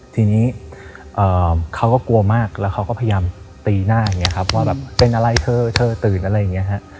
ทีนี้เขาก็กลัวมากแล้วเขาก็พยายามตีหน้าอย่างนี้ครับว่าแบบเป็นอะไรเธอเธอตื่นอะไรอย่างนี้ฮะ